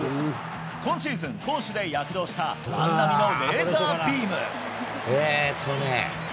今シーズン、攻守で躍動した万波のレーザービーム。